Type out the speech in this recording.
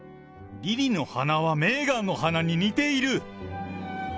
リリの鼻はメーガンの鼻に似ている。